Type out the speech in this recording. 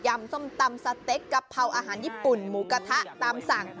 ส้มตำสเต็กกะเพราอาหารญี่ปุ่นหมูกระทะตามสั่ง